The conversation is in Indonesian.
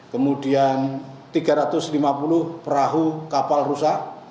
kemudian tiga ratus lima puluh perahu kapal rusak